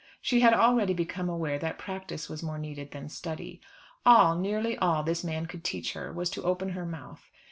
She had already become aware that practice was more needed than study. All, nearly all, this man could teach her was to open her mouth.